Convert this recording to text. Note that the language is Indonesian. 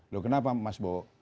loh kenapa mas bo